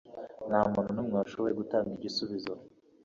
Nta muntu n'umwe washoboye gutanga igisubizo.